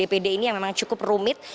dpd ini yang memang cukup rumit